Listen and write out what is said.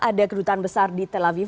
ada kedutaan besar di tel aviv